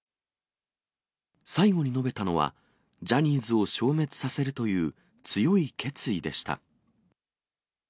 最後に述べたのは、ジャニーズを消滅させるという強い決意でした。